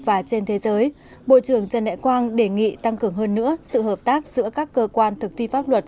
và trên thế giới bộ trưởng trần đại quang đề nghị tăng cường hơn nữa sự hợp tác giữa các cơ quan thực thi pháp luật